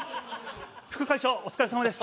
副会長お疲れさまです。